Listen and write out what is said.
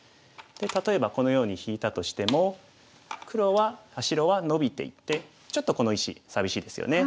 で例えばこのように引いたとしても白はノビていってちょっとこの石寂しいですよね。